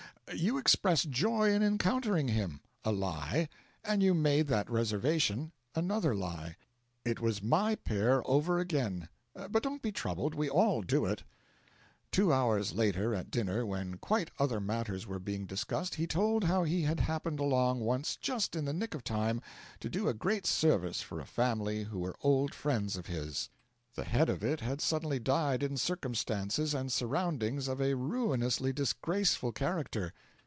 You expressed joy in encountering him a lie; and you made that reservation another lie. It was my pair over again. But don't be troubled we all do it.' Two hours later, at dinner, when quite other matters were being discussed, he told how he happened along once just in the nick of time to do a great service for a family who were old friends of his. The head of it had suddenly died in circumstances and surroundings of a ruinously disgraceful character.